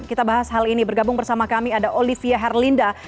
kita bahas hal ini bergabung bersama kami ada olivia herlinda